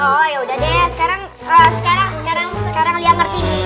oh yaudah deh sekarang sekarang sekarang sekarang liang ngerti nih